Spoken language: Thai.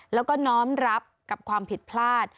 แล้วก็น้อมรับกับความผิดพลาด